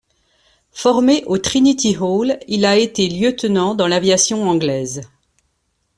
Formé au Trinity Hall, il a été lieutenant dans l'aviation anglaise.